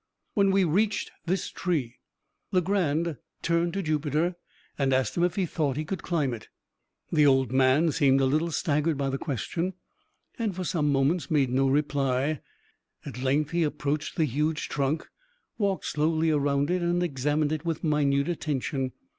When we reached this tree, Legrand turned to Jupiter, and asked him if he thought he could climb it. The old man seemed a little staggered by the question, and for some moments made no reply. At length he approached the huge trunk, walked slowly around it and examined it with minute attention.